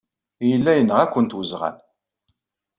Yella yenɣa-kent weẓɣal.